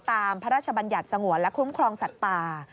พระราชบัญญัติสงวนและคุ้มครองสัตว์ป่า